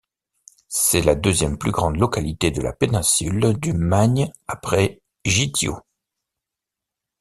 C'est la deuxième plus grande localité de la péninsule du Magne après Gythio.